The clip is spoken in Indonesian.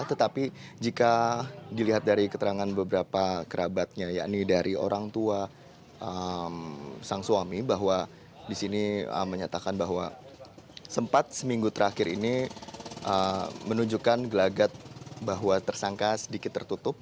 tetapi jika dilihat dari keterangan beberapa kerabatnya yakni dari orang tua sang suami bahwa disini menyatakan bahwa sempat seminggu terakhir ini menunjukkan gelagat bahwa tersangka sedikit tertutup